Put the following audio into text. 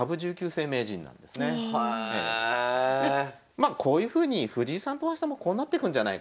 まあこういうふうに藤井さんと大橋さんもこうなってくんじゃないかと。